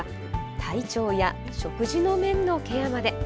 体調や食事の面のケアまで。